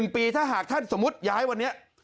๑ปีถ้าหากท่านสมมุติย้ายวันนี้